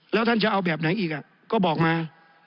แล้วท่านจะเอาแบบไหนอีกก็บอกมา